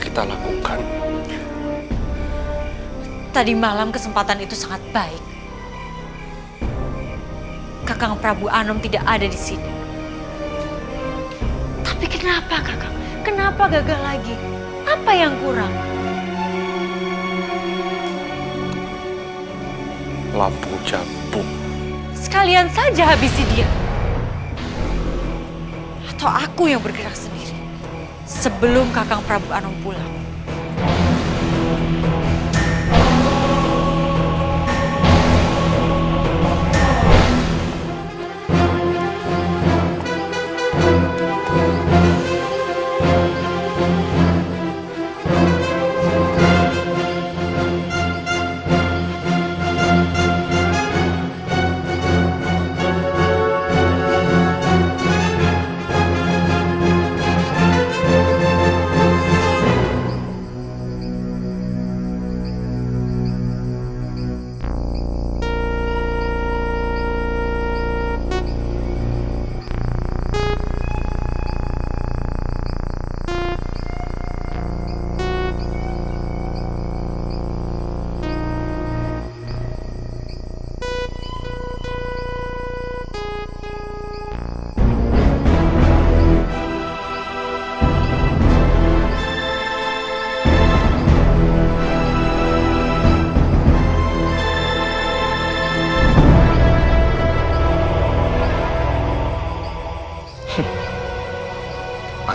kelompok kelompok yang berisik untuk perjalanan ke tell majet bea